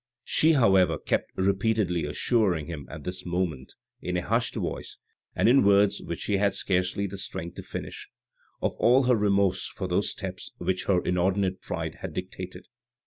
She, however, kept repeatedly assuring him at this moment, in a hushed voice, and in words which she had scarcely the strength to finish, of all her remorse for those steps which her inordinate pride had dictated.